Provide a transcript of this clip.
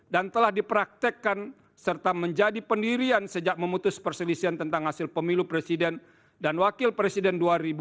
dan telah dipraktekkan serta menjadi pendirian sejak memutus perselisihan tentang hasil pemilu presiden dan wakil presiden dua ribu empat